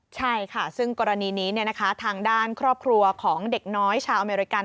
ใช่ค่ะซึ่งกรณีนี้ทางด้านครอบครัวของเด็กน้อยชาวอเมริกัน